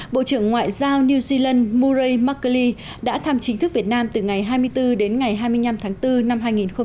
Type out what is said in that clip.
bộ trưởng ngoại giao new zealand murray mccurley đã tham chính thức việt nam từ ngày hai mươi bốn đến ngày hai mươi năm tháng bốn năm hai nghìn một mươi bảy